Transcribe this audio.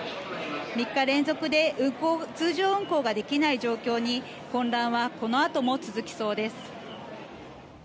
３日連続で通常運行ができない状況に混乱はこのあとも続きそうです。